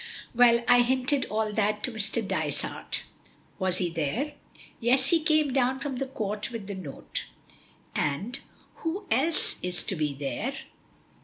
"Well, I hinted all that to Mr. Dysart." "Was he here?" "Yes. He came down from the Court with the note." "And who else is to be there?"